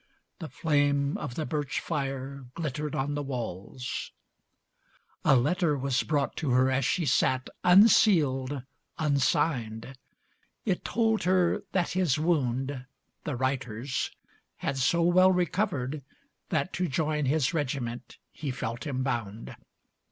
The flame Of the birch fire glittered on the walls. LVII A letter was brought to her as she sat, Unsealed, unsigned. It told her that his wound, The writer's, had so well recovered that To join his regiment he felt him bound.